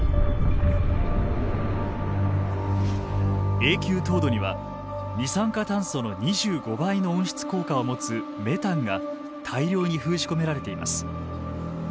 永久凍土には二酸化炭素の２５倍の温室効果を持つメタンが大量に封じ込められています。